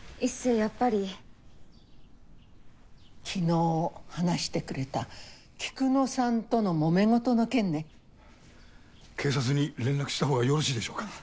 やっぱり昨日話してくれた菊乃さんとのもめごとの件ね警察に連絡したほうがよろしいでしょうか？